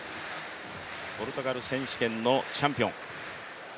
ポルトガル選手権のチャンピオン。